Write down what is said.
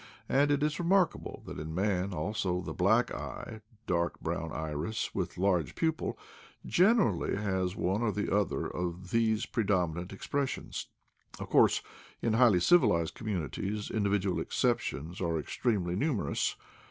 and it is remarkable that in man also the black eye — dark brown iris with large pupil — generally has one or the other of these predominant expressions. Of course, in highly civilized communities, individual exceptions are extremely numerous.